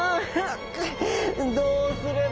どうすれば。